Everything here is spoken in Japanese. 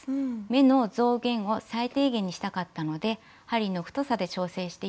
目の増減を最低限にしたかったので針の太さで調整しています。